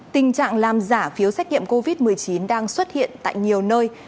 tình trạng làm giả phiếu xét nghiệm covid một mươi chín đang xuất hiện tại nhiều nơi